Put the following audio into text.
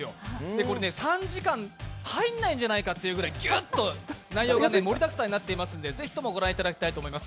これ３時間入らないんじゃないかというぐらい盛りだくさんですのでぜひともご覧いただきたいと思います。